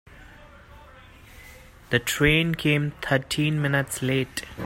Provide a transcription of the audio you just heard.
The train came thirteen minutes late.